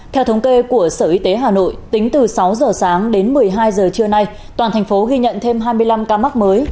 theo thống kê của sở y tế hà nội tính từ sáu giờ sáng đến một mươi hai giờ trưa nay toàn thành phố ghi nhận thêm hai mươi năm ca mắc mới